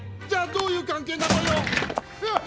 じゃどういう関係なのよ